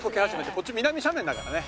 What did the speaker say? こっち南斜面だからね。